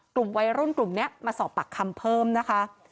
กลุ่มวัยรุ่นกลุ่มนี้มาสอบปากคำเพิ่มนะคะ